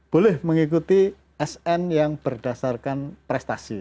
boleh mengikuti sn yang berdasarkan prestasi